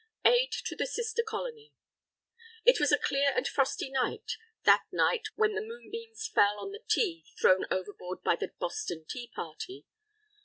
AID TO THE SISTER COLONY It was a clear and frosty night that night, when the moonbeams fell on the tea thrown overboard by the Boston Tea Party.